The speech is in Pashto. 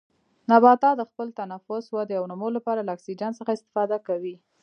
نباتات د خپل تنفس، ودې او نمو لپاره له اکسیجن څخه استفاده کوي.